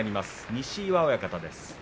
西岩親方です。